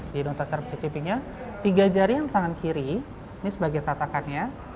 jadi untuk cara pecah cipinya tiga jari yang tangan kiri ini sebagai tatakannya